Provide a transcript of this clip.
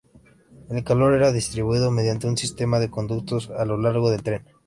El calor era distribuido mediante un sistema de conductos a lo largo del tren.